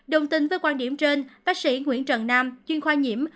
đồng tình với quan điểm trên bác sĩ nguyễn trần nam chuyên khoa nhiễm